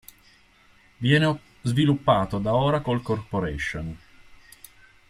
Viene sviluppato da Oracle Corporation.